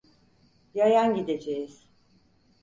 Yayan gideceğiz…